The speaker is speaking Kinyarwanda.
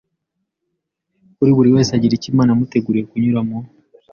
ko buri wese agira icyo Imana yamuteguriye kunyuramo.